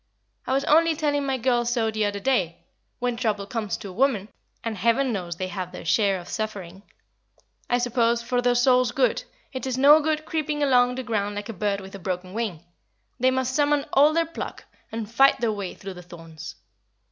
"I was only telling my girls so the other day. When trouble comes to a woman and Heaven knows they have their share of suffering: I suppose, for their soul's good it is no good creeping along the ground like a bird with a broken wing; they must summon all their pluck, and fight their way through the thorns.